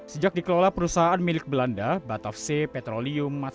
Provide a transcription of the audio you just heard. sejak dikelola perusahaan milik belanda batafse petroleum matsapitch